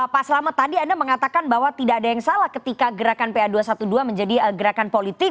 pak selamat tadi anda mengatakan bahwa tidak ada yang salah ketika gerakan pa dua ratus dua belas menjadi gerakan politik